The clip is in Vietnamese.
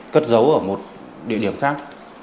cất giấu ở một địa điểm khác